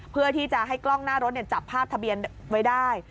เพื่อที่จะให้กล้องหน้ารถจับภาพทะเบียนไว้ได้